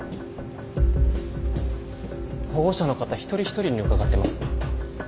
保護者の方一人一人に伺ってます。